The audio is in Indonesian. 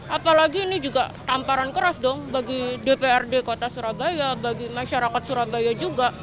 apalagi ini juga tamparan keras dong bagi dprd kota surabaya bagi masyarakat surabaya juga